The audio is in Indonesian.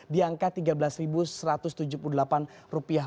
di angka tiga belas satu ratus tujuh puluh delapan rupiah